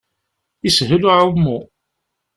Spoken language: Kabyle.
Yeshel uɛummu.